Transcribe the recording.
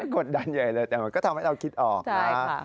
กดดันใหญ่เลยแต่มันก็ทำให้เราคิดออกนะ